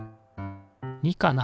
２かな？